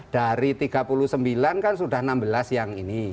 jadi di tahun seribu sembilan ratus sembilan puluh sembilan kan sudah enam belas yang ini